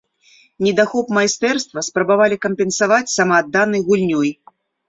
Недахоп майстэрства спрабавалі кампенсаваць самаадданай гульнёй.